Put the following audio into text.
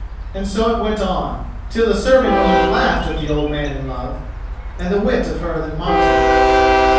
And so it went on, till the serving women laughed at the old man in love and the wit of her that mocked him.